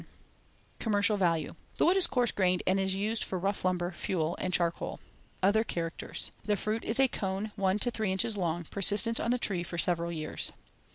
The Pitch Pine.] Commercial value: The wood is coarse grained and is used for rough lumber, fuel, and charcoal. Other characters: The fruit is a cone one to three inches long, persistent on the tree for several years.